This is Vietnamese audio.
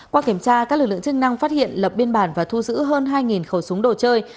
qua kiểm tra các lực lượng chức năng phát hiện lập biên bản và thu giữ hơn hai khẩu súng đồ chơi